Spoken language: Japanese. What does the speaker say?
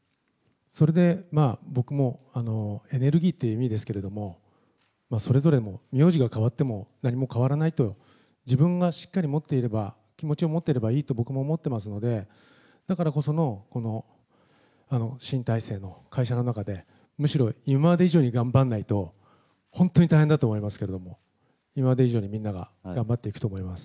それで僕もエネルギーっていう意味ですけれども、それぞれも名字が変わっても、何も変わらないと、自分はしっかり持っていれば、気持ちを持っていればいいと僕も思ってますので、だからこそこの新体制の会社の中で、むしろ今まで以上に頑張んないと、本当に大変だと思いますけれども、今まで以上にみんなが頑張っていくと思います。